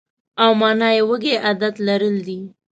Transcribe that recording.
او مانا یې وږی عادت لرل دي.